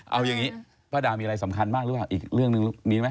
เอาอย่างนี้ป้าดามีอะไรสำคัญมากหรือเปล่าอีกเรื่องหนึ่งมีไหม